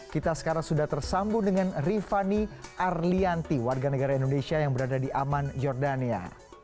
kita sekarang sudah tersambung dengan rifani arlianti warga negara indonesia yang berada di aman jordania